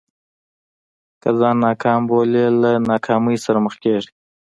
که ځان ناکام بولې له ناکامۍ سره مخ کېږې.